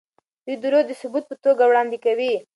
دوی دروغ د ثبوت په توګه وړاندې کوي.